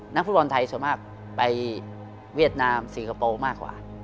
นักฟุตบอลไทยส่วนมากไปเวียดนามสิงคโปร์มากกว่า